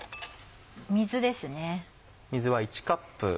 水ですね。